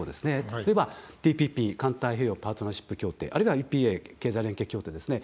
例えばＴＰＰ＝環太平洋パートナーシップ協定あるいはＥＰＡ＝経済連携協定ですね。